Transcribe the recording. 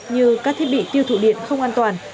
như các thiết bị tiêu thụ điện không an toàn